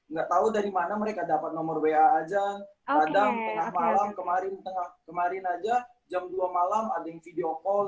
nggak tahu dari mana mereka dapat nomor wa aja kadang tengah malam kemarin aja jam dua malam ada yang video call